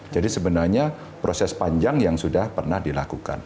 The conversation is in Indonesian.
jadi sebenarnya proses panjang yang sudah pernah dilakukan